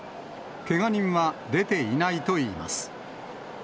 けが人は出ていないといいます。